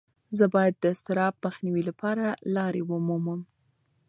زه باید د اضطراب مخنیوي لپاره لارې ومومم.